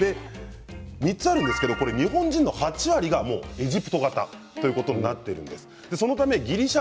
３つあるんですが日本人の８割がエジプト型ということになっているんです。